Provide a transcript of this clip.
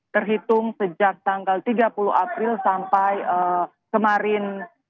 terhitung sejak tanggal tiga puluh april sampai kemarin